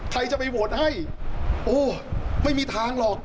ใครจะไปโหวตให้โอ้ไม่มีทางหรอก